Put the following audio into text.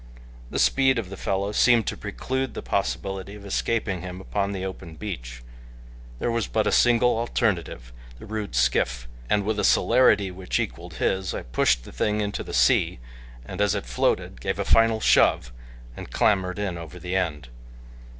The speed of the fellow seemed to preclude the possibility of escaping him upon the open beach. There was but a single alternative the rude skiff and with a celerity which equaled his, I pushed the thing into the sea and as it floated gave a final shove and clambered in over the end.